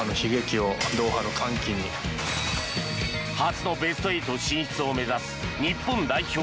初のベスト８進出を目指す日本代表